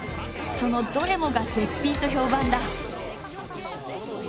そのどれもが絶品と評判だ。